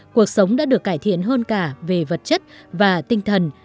cuộc sống đã được cải thiện hơn cả về vật chất và tinh thần